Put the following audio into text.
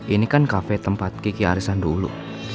ini kan kafe tempat kiki arisan dulu